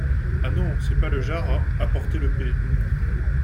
Ah non, c’est pas le genre à porter le pet.